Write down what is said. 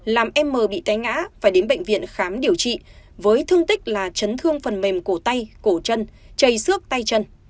làm em mờ bị té ngã và đến bệnh viện khám điều trị với thương tích là chấn thương phần mềm cổ tay cổ chân chày xước tay chân